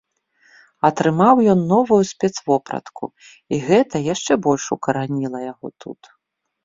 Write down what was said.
Атрымаў ён новую спецвопратку, і гэта яшчэ больш укараніла яго тут.